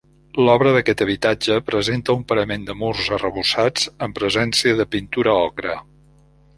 L'obra d'aquest habitatge presenta un parament de murs arrebossats amb presència de pintura ocre.